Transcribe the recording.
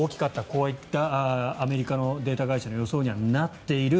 こういったアメリカのデータ会社の予想にはなっている。